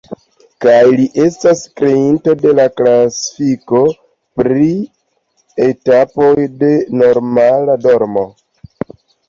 Kaj li estas kreinto de la klasifiko pri etapoj de normala dormo.